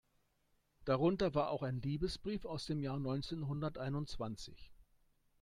Darunter war auch ein Liebesbrief aus dem Jahr neunzehnhunderteinundzwanzig.